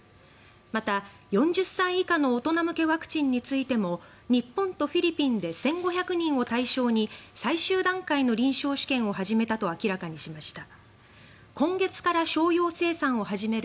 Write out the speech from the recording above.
また４０歳以下の大人向けワクチンについても日本とフィリピンで１５００人を対象に最終段階の臨床試験を始めたと明らかにしました。